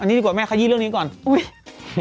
อันนี้ดีกว่าแม่ขยี้เรื่องนี้ก่อนอุ้ย